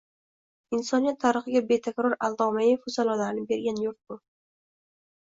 Insoniyat tarixiga betakror allomayu fuzalolarni bergan yurt bu